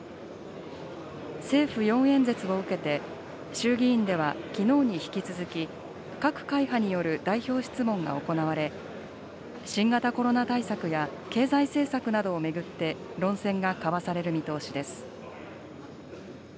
政府４演説を受けて、衆議院ではきのうに引き続き、各会派による代表質問が行われ、新型コロナ対策や経済政策などを巡って、論戦が交わされる見通しです。